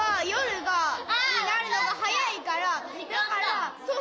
だから。